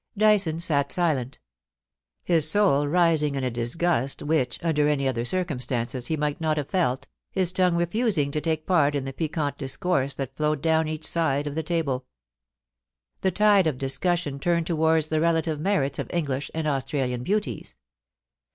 Dyson sat silent; hJs soul rising in a disgust which, under any other circumstances, he might not have felt, his tongue refusing to take part in the piquant discourse that flowed down each side of the table. The tide of discussion turned towards the relative merits of English and Australian beauties.